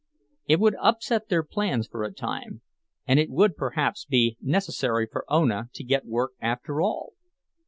It would upset their plans for a time; and it would perhaps be necessary for Ona to get work after all.